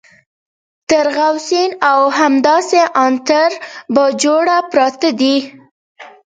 تر غو سین او همداسې ان تر باجوړه پراته دي.